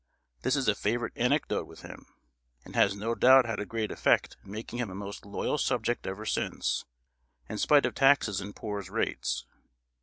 This is a favourite anecdote with him, and has no doubt had a great effect in making him a most loyal subject ever since, in spite of taxes and poor's rates.